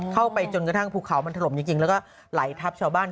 จนกระทั่งภูเขามันถล่มจริงแล้วก็ไหลทับชาวบ้าน